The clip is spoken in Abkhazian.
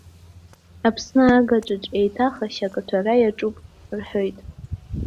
Аԥсны агаҿаҿ еиҭах ашьа ақаҭәара иаҿуп, рҳәоит.